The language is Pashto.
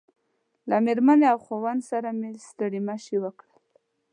له مېرمنې او خاوند سره مې ستړي مشي وکړل.